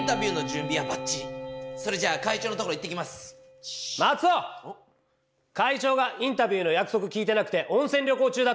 んっ？会長がインタビューの約束聞いてなくて温泉旅行中だって。